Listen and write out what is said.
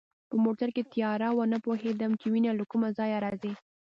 په موټر کې تیاره وه، نه پوهېدم چي وینه له کومه ځایه راځي.